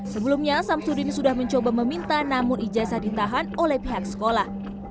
sebelumnya samsudin sudah mencoba meminta namun ijazah ditahan oleh pihak sekolah